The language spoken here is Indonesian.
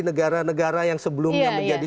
negara negara yang sebelumnya menjadi